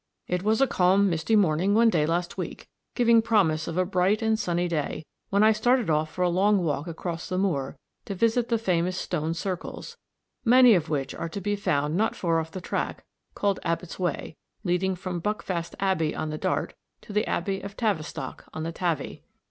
It was a calm misty morning one day last week, giving promise of a bright and sunny day, when I started off for a long walk across the moor to visit the famous stone circles, many of which are to be found not far off the track, called Abbot's Way, leading from Buckfast Abbey, on the Dart, to the Abbey of Tavistock, on the Tavy.